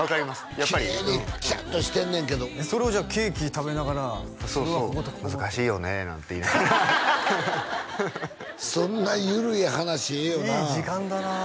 やっぱりきれいにちゃんとしてんねんけどそれをじゃあケーキ食べながらそうそう「難しいよね」なんて言いながらそんな緩い話ええよないい時間だな